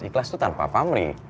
ikhlas tuh tanpa pamri